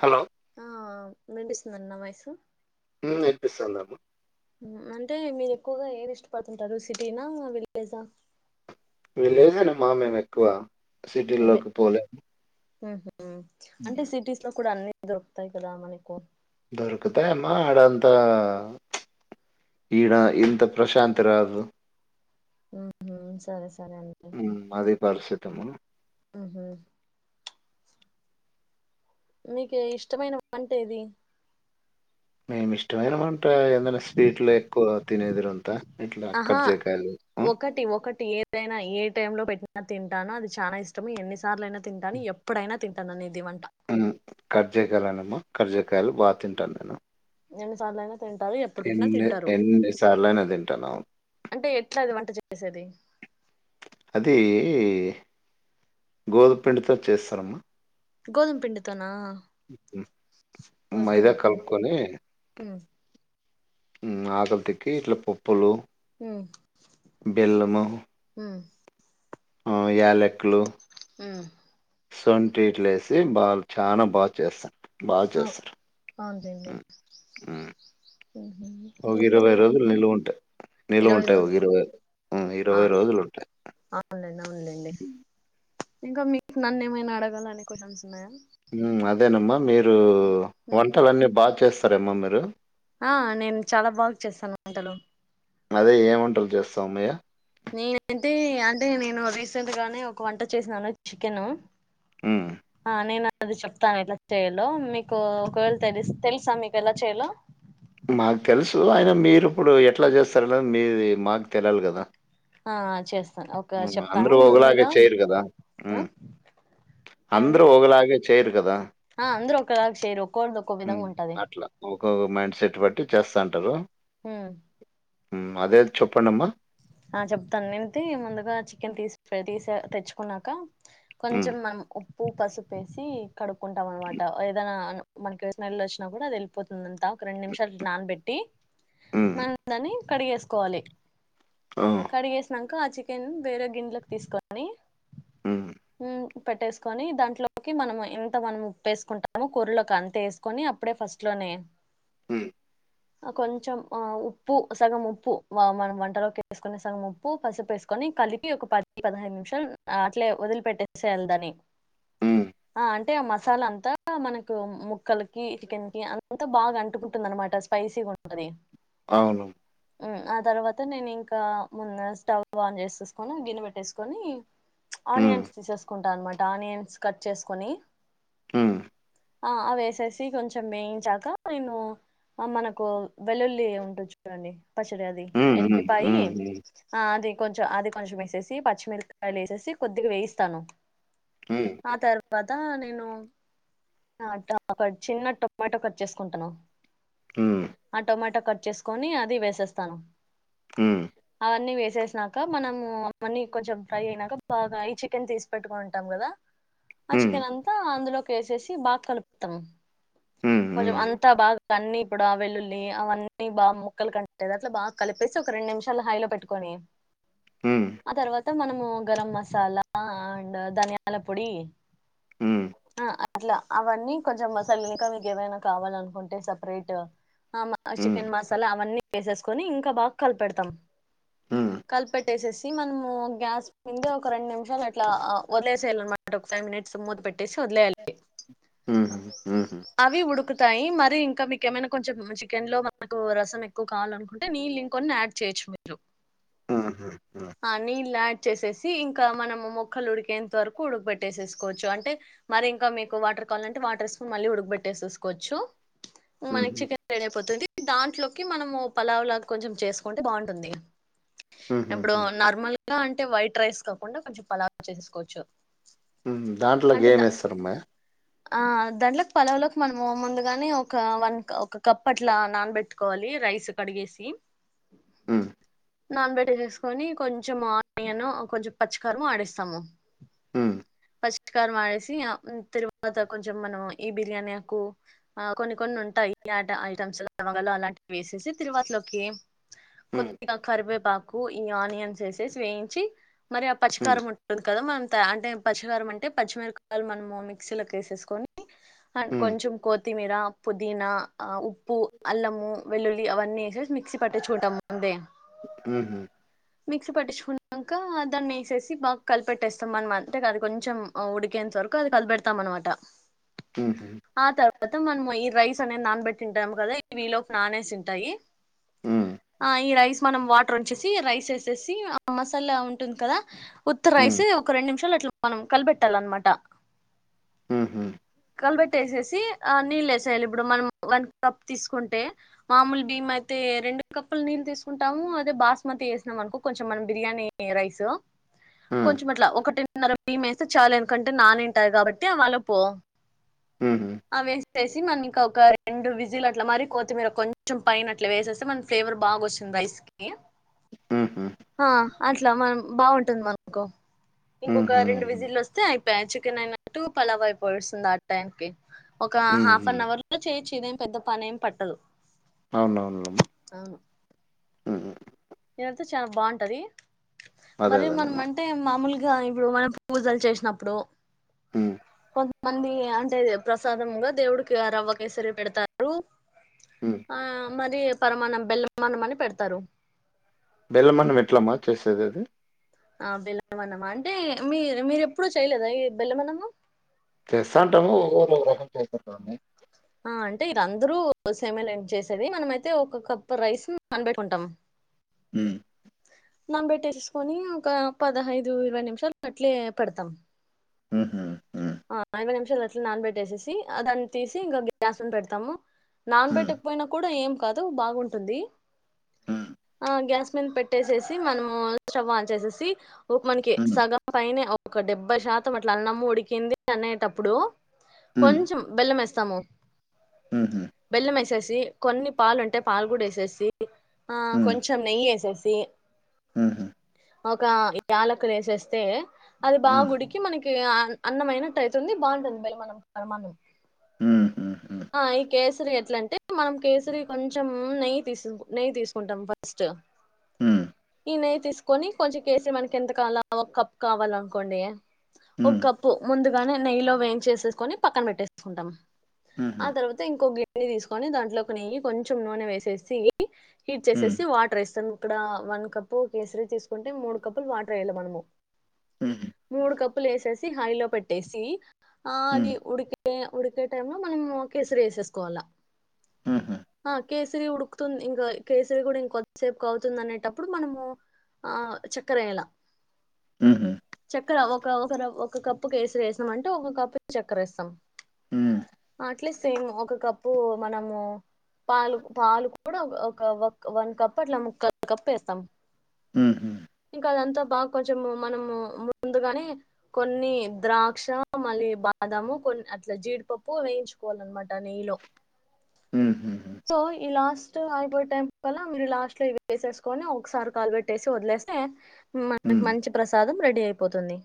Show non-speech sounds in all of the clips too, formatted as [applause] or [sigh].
Hello ఆ వినుపిస్తుందా అండి నా వాయిస్సు మ్ విన్నుపిస్తుంది అమ్మ మ్ అంటే మీరు ఎక్కువగా ఏది ఇష్టపడుతుంటారు సిటీనా విల్జ్ హ విలేజే నే అమ్మ మేము ఎక్కువ నిలే సిటీల్లోకి పోలే ఊహ్మ్ మ్ ఉమ్. అంటే సిటీస్ లో కూడా అన్ని దొరుకుతాయ్ కదా మనకు దొరుకుతాయమ్మ ఆడోల్తో ఈడా ఇంత ప్రశాంత రాదు ఊహ్మ్ సరే స మ్ అది పరిస్థితి అమ్మ ఊహు నీకే ఇష్టమైన వంటే అది మేము ఇష్టమైన వంట ఏదయ్నా స్వీట్ లో ఎక్కువ తినేదిరు అంతా ఆహా ఒకటి ఒకటి ఏదైనా ఏ ఏ టైం లో పెట్టిన తింటాను అది చానా ఇష్టము ఎన్ని సార్లు అయినా తింటాను ఎప్పుడైనా తింటాన నేను ది వంట రేగాలానమ్మ ఖరజకాయలు బాగా తింటాను నేను ఎన్ని సార్లు ఐనా తింటారు ఎపుడు బెట్టిన ఎన్ని తింటారు ఎన్ని సార్లైనా తింటాను అవును అంటే ఎట్లాది వంట చేసేది అదీ ఈ గోధుపిండితో చేస్తారు అమ్మ గోధుంపిండి తో నా ఉమ్, మైదా కలుపుకొని ఉ మ్ ఆకల్తీకి ఇట్లా పప్పులు మ్ బెల్లము మ్ ఆ యలెకులు మ్ సొంఠి ఇట్లా ఏసి బాల్ చానా బాగా చేస్తా బాచెస్తారు అవునులేండి మ్ మ్ ఒక ఇంకా ఇరవై మీరు రోజులు నిలువ ఉంటై నిలువ ఉంటై ఒక ఇరవై ఆన్ అవునులెండి అవునులెండి ఇంకా మీక్ నన్ ఏమైనా అడగాలనే క్వశ్చన్స్ ఉన్నాయా మ్ అదేనమ్మ మీరు ఉ వంటలు అన్ని బా చేస్తార అమ్మ మీరు ఆ నేను చాలా బాగా చేసాను వంటలు అదే ఏ వంటలు చేస్తావ్ అమయ్య నీ ఏంటీ అంటే నేను రీసెంట్ గా ఒక వంట చేసినాను చికెను హ్మ్. ఆ నేన అది చెప్తాను ఎలా చెయాలో మీకు ఒక వేల తెలి తెలుసా మీకు ఎలా చెయలో మాకు తెలుసు అయిన మీరు ఇప్పుడు ఎట్లా చేస్తారో లేదో మీది మాకు తెలలి కదా ఆ చేస్ అవును అంద్రు ఒకలాగే చేయరు కదా ఉ ఆ ఏమండి అంద్రు ఒకలాగే చేయరు కదా ఆ అంద్రు ఒకలాగ చేయరు ఓకోల్ది ఒకో విధంగా ఉంటది ఒకో మైండ్ సెట్ బట్టి చేస్తంటరు హ్మ్ ఉమ్ అదే చెప్పండి అమ్మ ఆ చెప్తాన్ నైతే ముందుగా చికెన్ తీసి తీస తెచ్చుకున్నాక హ్మ్. కొంచెం మనం ఉప్పు పసుపు ఎసి కడుక్కుంటాం అనమాట ఏదైనా మనకి స్మెల్ వచ్చినా కూడా అది వెళ్ళిపోతుంది అంత ఒక రెండు నిమిషాలు నానబెట్టి హ్మ్. మ దన్ని కడిగేసుకోవాలి ఆ! కడిగేసినంక ఆ చికెన్ వేరే గిన్నెలోకి తీసుకోని హ్మ్. ఉ పెట్టేసుకొని దాంట్లోకి మనము ఇంత మనము ఉప్పేసుకుంటాము కురలోకి అంత ఎసుకొని అప్పుడే ఫస్ట్ లో నీ ఉ అ కొంచం ఆ ఉప్పు సగం ఉప్పు వా మనం వంటలోకి వేసుకునే సగం ఉప్పు పసుపు ఎసుకొని కలిపి ఒక పది పదహైదు నిమిషాల్ అట్లే వదిలిపెట్టేసెయ్యాలీ దాన్ని హ్మ్. ఆ అంటే ఆ మసాలా అంతా మనకు ముక్కలకి చికెన్ కి అంతా బాగా అంటు కుంటున్ దన్నమాట స్పైసిగుంటది అవును. ఉమ్ ఆ తర్వాత నెన్ ఇంకా కా మున్న స్టవ్ ఆన్ చేసేసుకొని గిన్నె పెట్టేసుకొని హ్మ్. ఆనియన్స్ తీసేసుకుంటా అన్నమాట ఆనియన్స్ కట్ చేసుకొని హ్మ్. ఆ అవేసేసి కొంచెం వేయించాక నేను ఆ మనకు వెల్లుల్లి ఉంట చూడండి పచ్చడి అది హ్మ్. ఎల్లిపాయి హ్మ్. అ అది కొంచం అది కొంచం ఎసేసి పచ్చిమిరకాయలు ఎసేసి కొద్దిగా వేయిస్తాను హ్మ్. ఆ తర్వాతా నేను అ ట ఒక చిన్న టొమాటో కట్ చేసుకుంటను హ్మ్. ఆ టొమాటా కట్ చేసుకొని అది వేసేస్తాను ఉమ్ అవన్నీ వేసేసినాక మనము అవన్నీ కొంచం ఫ్రై అయినాక బాగా ఈ చికెన్ తీసి పెట్టుకుంటాం కదా ఆ హ్మ్. చికెన్ అంతా అందులోకి ఎసేసి బాగా కలుపుతాం హ్మ్. కొంచెం అంతా బాగా అన్ని ఇప్పుడ వెల్లుల్లి అవన్నీ బాగా ముక్కలు కంటేది అట్లా బాగా కలిపే సి ఒక రెండు నిమిషాలు హైలో పెట్టుకొని హ్మ్. హ్మ్. ఆ తర్వా త మనము గరం మసాలా అండ్ ధనియాల పొడి ఉమ్ ఆ అట్లా అవన్నీ కొంచం మాసల్ ఇంకా మీక్ ఏవైనా కావాలనుకుంటే సపరేట్ ఆ మా హ్మ్. చికెన్ మసాలా అవన్నీ వేసేసుకొని ఇంకా బాగా కలపెడుతాం హ్మ్. హ్మ్. కలిపెట్టేసేసి మనము గ్యాస్ కిందే ఒక రెండు నిమిషాలు అట్లా వదిలేసేయాలినమాట ఫైవ్ మినిట్స్ ముత పెట్టేసి వొదిలేయాలి హ్మ్. హ్మ్. అవి ఉడుకు తయి మరి ఇంకా మీక ఏమైనా కొంచెం చికెన్ లో మనకు రసం ఎక్కువ కావాలనుకుంటే నీళ్ళు కొన్ని యాడ్ చేయొచ్చు మీరు ఉహ్మ్ హ్ ఆ నీళ్ళు యాడ్ చేసేసి ఇంకా మనము ముక్కలు ఉడికేంత వరకు ఉడక పెట్టేసేసుకోవచ్చు అంటే మరి ఇంకా మీకు వాటర్ కావల్ అంటే వాటర్ యేసు కొని మల్లి ఉడగుబెట్టేసెసుకోవచ్చు హుహు. మనకి హ్మ్. చికెన్ రెడీ అయిపోతది దాంట్లోకి మనము పలావ్ లాగా కొంచెం చేసుకుంటే బాగుంటుంది హుహు. ఇప్పుడు హుహుహు. నార్మల్ అలా అంటే వైట్ రైస్ కాకుండా కొంచం పలావు చేసేసుకోవచ్చు ఉహ్మ్ అంటే దా దాంట్లోకేమేస్తారమ్మే ఆ దాంట్లోకి పలవులోకి మనము ముందుగానే ఒక వన్ కా ఒక కప్ అట్ల నానబట్టుకోవాలి రైస్ కడిగెస్ హ్మ్. నాన్ పెట్టెసేసుకొని కొంచెం ఆనియన్ కొంచెం పచ్చికారము ఆడిస్తాము ఉమ్ పచ్చికారం ఆసి ఆ తరువాత కొంచెం మనం ఈ బిర్యానీ ఆకు ఆ కొన్ని కొన్ని ఉం ఉంటా [inaudible] లవంగలు అలాంటివి వేసేసి తిరువాతిలోకి హ్మ్. కొద్దిగా కరివేపాకు ఈ ఆనియన్స్ ఎసేసి వేయించి మరి ఆ హ్మ్. పచ్చికారం ఉంటుంది కదా మ అంటే పచ్చికారం అంటే పచ్చిమిరపకాయలు మనము మిక్సీలోకెసేసుకొని అండ్ హ్మ్. కొంచెం కొత్తిమీర పుదీనా ఉప్పు అల్లము వెల్లుల్లి అవన్నీ ఎసేసి మి మిక్సి పాటించుకుంటాం అంతే మ్ హు మిక్సీ పట్టించుకున్నాక దాన్ని ఎసేసి బాగా కలిపెట్టేస్తాం అనమా అంటే అది కొంచెం ఉడికేంత్ తర్క అది కలిపెడతామన్మాట ఉహ్మ్ వాత మనం ఈ రైస్ అనేది నానబెట్టింటాము కదా ఇవిలోకి నానేసి ఉంటాయి హ్మ్. ఆ ఈ రైస్ మనం వాటరొంచ్చేసి రైస్ వేసేసి ఆ మసాలా ఉంటుంది కదా ఉత్త రైస్ హ్మ్. త్ ఒక రెండ్నిమిషాలు అట్లా మనం కలబెట్టాలన్నమాట ఆహ కలబెట్టేవేసేసి ఆ నీళ్ళు వేసేయాలి ఇప్పుడు మనం వన్ కప్ తీసుకుంటే మామూలు బియ్యమై తే రెండు కప్పులు నీళ్ళు తీసుకుంటాము అదే బాస్మతి వేసినామనుకో కొంచెం మనం బిర్యానీ రైస్ హ్మ్. కొంచెం అట్లా ఒకటిన్నర బియ్మేస్తే చాలు ఎందుకంటే నానింటాయ్ కాబట్టి అ వాళ్ళోపో మ్ హు వేసి మనం ఇంక ఒక రెండు విజిల్ అట్లా మరి కొత్మీర కొంచెం పైనట్ల వేసేస్తె మనం ఫ్లేవర్ బాగా ఓచ్చిం రైస్ కి మ్ హా ఆ అట్లా మనం బాగుంటుంది మనుకు ఇంకొక రెండు హుహు. విజిల్లోస్ తే అయిపై చికెన్ అయినట్టు పలావ్ అయిపోస్తుంది ఆ టైంకి ఒక హాఫ్ హుహు. అన్ అవర్లో చేయోచ్చు ఇదేం పెద్ద పనేం పట్టదు అవునవుమ్మా మ్మ్ దైతే చాలా బాగుంటది అదే మరి అదేనమ్మా. మనమంటే మామూల్ గా ఇప్పుడు మనం పూజల్ చేసినప్పుడు హ్మ్. కొంతమంది అంటే ప్రసాదమ్గా దేవుడికి రవ్వ కేసరి పెడుతారు హ్మ్. ఆ మరి పరమానం బెల్లమన్న మని పెడుతారు బెల్లమనం ఏట్లమ్మా చేసేది అది ఆ బెల్లమన్నమా అంటే మీ మీర ఎప్పుడూ చేయలేదా ఈ బెల్లమన్నమూ చేస్తాంటాము ఒగోగరు ఒకో రకం చేస్తంటారని ఆ అంటే అందరూ సేమెలేండి చేసేది మనమైతే ఒక కప్పు రైస్ కనిపెట్టుకుంటాం మ్మ్ నంబెట్టేసేసుకొని ఒక పదహైదు ఇరవై నిమీషాలు అట్లే పెడుతాం హుహు. హ్మ్. ఆ ఇరవై నిమిషాలు అట్లే నానబెట్టేసేసి దాన్ని తీసి ఇంకా గ్యాస్ను పెడుతాము హ్మ్. నాన్బేట్టకపోయినా కూడా ఏం కాదు బాగుంటుంది హ్మ్. ఆ గ్యాస్ మీన్పెట్టేసేసి మనము స్టవ్ ఆన్ చేసేసి ఒక మనకి హ్మ్. సగం పైనే ఒక డెబ్బై శాతం అట్లా అన్నము ఉడికింది అనేటప్పుడు హ్మ్. కొంచెం బెల్లం వేస్తాము హుహు. బెల్లం ఏసేస్ ది కొన్ని పాలుంటే పాలు కూడా ఏసేసి ఆ హ్మ్. కొంచెం నెయ్యేసేసి హుహు. ఒక యాలకులేసేస్తే అది హ్మ్. బాగుడికి మనకి అన్నం అయినట్టైతుంది బాగుంటుంది బెల్లమన్నం పరమాన్నం హుహు. హ్మ్. ఆ ఈ కేసరి ఎట్లంటే మనం కేసరి కొంచెం నెయ్యి తీస్ నెయ్యి తీసుకుంటాం ఫస్టు హ్మ్. ఈ నెయ్యి తీసుకొని కొంచెం కేసిరి మనకి ఎంతకాల ఒక కప్ కావాలనుకోండి ఒక హ్మ్. కప్పు ముందుగానే నెయ్యిలో వేయించేసేసుకొని పక్కన్పెట్టేసుకుంటాం ఆ హుహు. తర్వాత ఇంకో గ్ గిన్ని తీసుకొని దాంట్లోకి నెయ్యి కొంచెం నూనె వేసేసి హ్మ్. హీట్చేసేసి వాటర్ ఏస్తాం ఇక్కడ వన్ కప్పు కేసరీ తీసుకుంటే మూడు కప్పులు వాటర్ ఏయాలి మనము హుహు. మూడు కప్పులేసేసి హైలో పెట్టేసి ఆ అది హ్మ్. ఉడికే ఉడికే టైంలో మనము కేసరి ఏసేసుకోవాలా హుహు. ఆ కేసరి ఉడుకుతుంది ఇంక కేసరి కూడా ఇంకొద్దిసేపుకవుతుంది అనేటప్పుడు మనము ఆ చక్కరేయలా మ్ హు చక్కెర ఒక ఒక ఒక కప్పు కేసరేసాం అంటే ఒక కప్పు చక్కెర వేస్తాం. హ్మ్. అట్లేసేమ్ ఒక కప్పు మనము. పాలు పాలు కూడా ఒక వ వన్ కప్ అట్లా ముక్క కప్పు వేస్తాం. మ్ హ్మ్ కదంతా బాగా కొంచెం మనము ము ముందు గానే కొన్ని ద్రాక్ష మళ్ళీ బాదము కొన్ అట్ల జీడిపప్ ప్పు వేయించుకోవాలనమాటా నెయ్యిలో. ఉమ్ హ్మ్. సో ఈ లాస్ట్ అయిపోయే టైం కల్లా మీరు లాస్ట్ లో ఇవి వేసేసుకొని ఒకసారి కాలు వెట్టేసి వదిలేస్తె. మన హ్మ్. మంచి ప్రసాదం రెడీ అయిపోతుంది.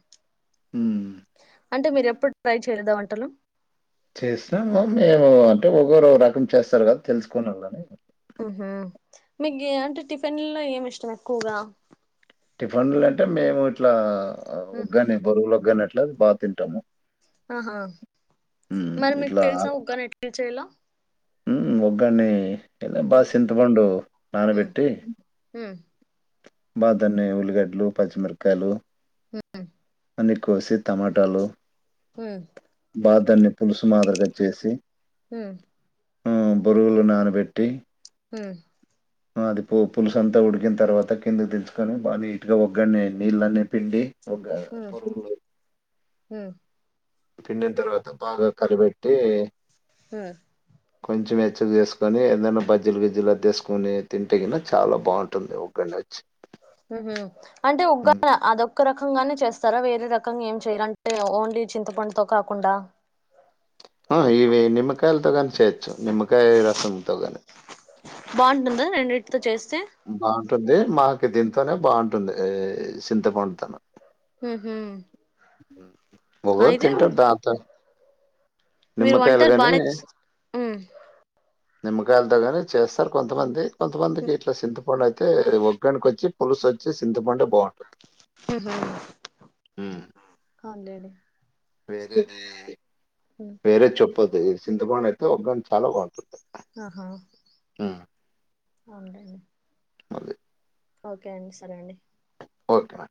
హ్మ్. అంటే మీరేప్పుడు ట్రై చేయలేదా వంటలు. చేసినాము గాని మేము అంటే ఒకరు ఒక రకం చేస్తారు గదా తెలుసుకొవొళ్ళని. ఉమ్ హు మీకు అంటే టిఫిన్ లో ఏమి ఇష్టం ఎక్కువగా. టిఫిన్లు అంటే మేము ఇట్లా మ్, ఒగ్గాని బరువులొగ్గాని అట్ల బాగా తింటాము. ఆహా హ్మ్. మరి మీకు తెలుసా ఒగ్గాని ఎట్ల చేయలో. ఉమ్ ఒగ్గాని ఇంత బాగా ఉమ్ చింతపండు ఉమ్ నానబెట్టి. ఉమ్ బా తన్ని ఉల్లిగడ్లు పచ్చిమిరపకాయలు. ఉమ్మ్. అన్ని కోసి టమాటాలు. ఉమ్. బాగా దాన్ని పులుసు మాదిరిగా చేసి. ఉహ్మ్. ఉమ్ బొరుగులు నానబెట్టి. ఉహూ. అహ్ అది పొ పులుసు అంతా ఉడికిన తర్వాత కిందికి దించుకొని బా అది నీట్గా ఒగ్గనీ నీళ్ళన్ని పిండీ. ఒగ్గా బొరుగులు. ఉహ్మ్. పిండిన తర్వాత బాగా కలబెట్టి. ఆహ్. కొంచెం వెచ్చగ చేసుకని ఏదైనా బజ్జిలు గిజ్జిలు అద్దేసుకొని తింటే గిన చాలా బావుంటుంది ఒగ్గనీ. ఇలాచీ. ఊహు అంటే ఉగ్గానీ అదొక్క రకంగానే చేస్తారా వేరే రకంగా ఏం చేయరా అంటే ఒ. ఒన్లీ చింతపండుతో కాకుండా. ఆహ్ ఇవి నిమ్మకాయలతో గానీ చేయొచ్చు నిమ్మకాయ రసంతో గాని. రెండింటితో చెస్. బావుంటుంది మాకు దీంతోనే బావుంటుంది ఇహ్ చింతపండుతొను. ఉమ్. [unintelligible] తింటాం దాంతోనే. మీరు నిమ్మకాయలు వంటలు గానీ. బానే ఉమ్ నిమ్మకాయలతో గాని చేస్తారు కొంతమంది కొంతమందికి ఇట్ల సింత. పండైతే ఒగ్గానీ కొచ్చి పులుసోచ్చి సింతపండే బావున్. ఉహు హ్మ్. అవున్లేండీ. వేరేది వేరే చెప్పద్దు ఈ చింతపండైతే ఒగ్గాని చాలా బావుంటుంది. ఆహా. ఉమ్. అవున్లెండి. అదే. ఓకే అండి సరే అండి. ఓకే